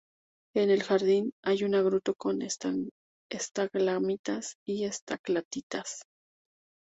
En el jardín, hay una gruta con estalagmitas y estalactitas.